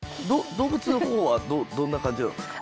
動物の方はどんな感じなんですか？